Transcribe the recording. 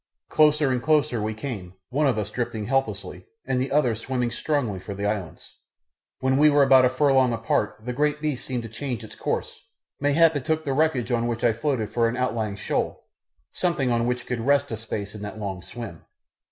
Closer and closer we came, one of us drifting helplessly, and the other swimming strongly for the islands. When we were about a furlong apart the great beast seemed to change its course, mayhap it took the wreckage on which I floated for an outlying shoal, something on which it could rest a space in that long swim.